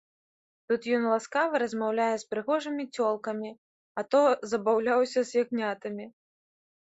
Тут ён ласкава размаўляе з прыгожымі цёлкамі, а то забаўляўся з ягнятамі.